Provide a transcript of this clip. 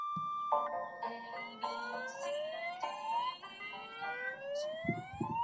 The activities are broken down into a set of tasks.